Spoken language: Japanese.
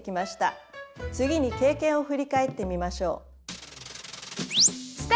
次に経験を振り返ってみましょう。